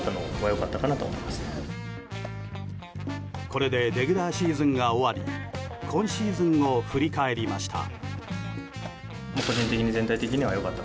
これでレギュラーシーズンが終わり今シーズンを振り返りました。